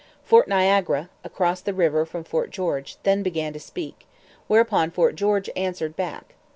Fort Niagara, across the river from Fort George, then began to speak; whereupon Fort George answered back.